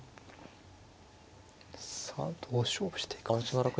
さあどう勝負していくかですね。